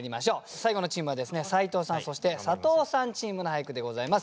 最後のチームは斎藤さんそして佐藤さんチームの俳句でございます。